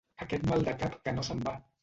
Aquest mal de cap que no se'n va!